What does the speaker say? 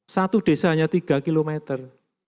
satu desa hanya tiga kilometer